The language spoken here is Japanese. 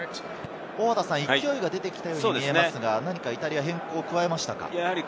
勢いが出てきたように見えますが、イタリアは何か変更を加えましたか？